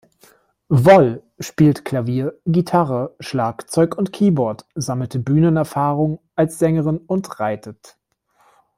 Woll spielt Klavier, Gitarre, Schlagzeug und Keyboard, sammelte Bühnenerfahrung als Sängerin und reitet.